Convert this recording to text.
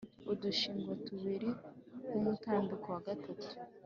udushingwa tubiri n’umutambiko wa gatatu